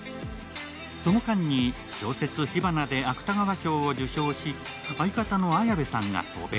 その間に小説「火花」で芥川賞を受賞し、相方の綾部さんが渡米。